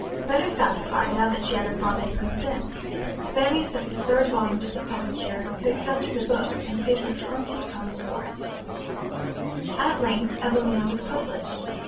Better satisfied now that she had her father's consent Fanny sent the third volume to the publisher, who accepted the book and paid her twenty pounds for it. [Illustration: FANNY BURNEY] At length "Evelina" was published.